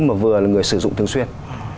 mà vừa là người sử dụng thường xuyên